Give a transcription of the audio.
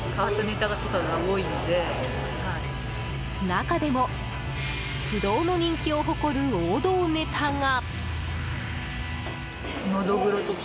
中でも不動の人気を誇る王道ネタが。